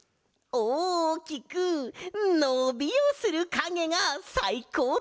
おおきくのびをするかげがさいこうとか？